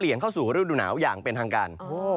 อย่างเป็นทางการ